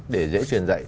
để dễ truyền dạy